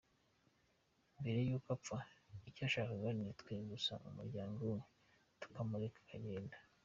Mbere y'uko apfa, icyo yashakaga ni twe gusa, umuryango we, tukamureka akagenda.